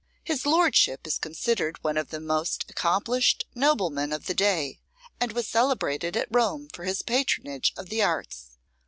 His lordship is considered one of the most accomplished noblemen of the day, and was celebrated at Rome for his patronage of the arts.